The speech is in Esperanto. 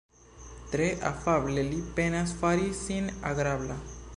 Tre afable li penas fari sin agrabla.